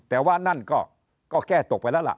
แต่ว่านั่นก็แก้ตกไปแล้วล่ะ